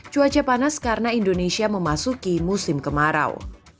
cuaca panas karena indonesia memasuki musim kemarau